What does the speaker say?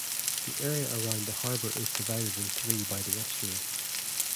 The area around the harbour is divided in three by the estuary.